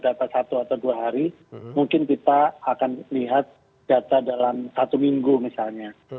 data satu atau dua hari mungkin kita akan lihat data dalam satu minggu misalnya